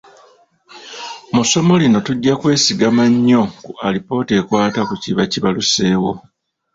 Mu ssomo lino tujja kwesigama nnyo ku alipoota ekwata ku kiba kibaluseewo.